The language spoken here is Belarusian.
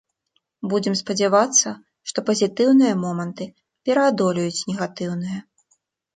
Будзем спадзявацца, што пазітыўныя моманты пераадолеюць негатыўныя.